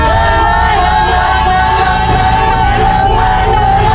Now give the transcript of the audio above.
สวัสดีครับ